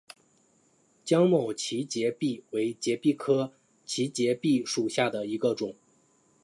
江某畸节蜱为节蜱科畸节蜱属下的一个种。